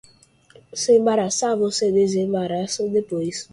Se embaraçar, você desembaraça depois.